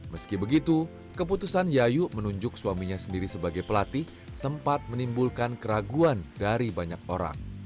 meski begitu keputusan yayu menunjuk suaminya sendiri sebagai pelatih sempat menimbulkan keraguan dari banyak orang